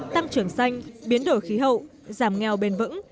tăng trưởng xanh biến đổi khí hậu giảm nghèo bền vững